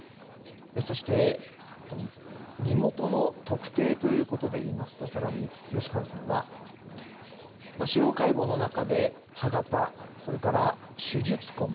そして、身元の特定ということでいいますと更に、吉川さんは司法解剖の中で歯型、それから手術痕